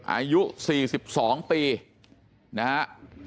อายุ๔๒ปีนะฮะ